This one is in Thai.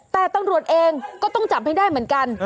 แต่ตำรวจเองก็ต้องจับให้ได้เหมือนกัน